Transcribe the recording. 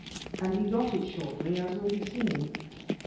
And he got it shortly, as will be seen.